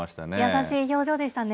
優しい表情でしたね。